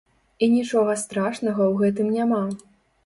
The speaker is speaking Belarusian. І нічога страшнага ў гэтым няма!